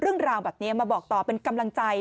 แล้วก็ขอบคุณทีมช่างแต่งหน้าของคุณส้มที่ให้เรานำเสนอข่าวนี้